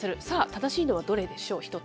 さあ、正しいのはどれでしょう？